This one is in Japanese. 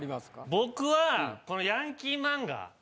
僕はこのヤンキー漫画。